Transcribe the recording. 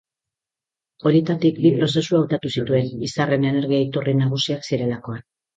Horietatik bi prozesu hautatu zituen, izarren energia-iturri nagusiak zirelakoan.